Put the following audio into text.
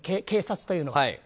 警察というのは。